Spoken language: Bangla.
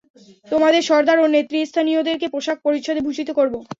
তোমাদের সরদার ও নেতৃস্থানীয়দেরকে পোষাক পরিচ্ছদে ভূষিত করব।